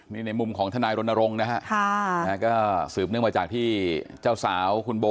นี่ในมุมของทนายรนรงค์นะครับ